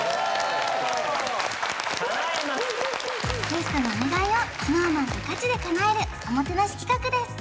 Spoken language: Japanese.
ゲストのお願いをＳｎｏｗＭａｎがガチで叶えるおもてなし企画です